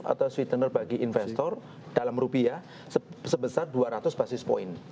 atau switterner bagi investor dalam rupiah sebesar dua ratus basis point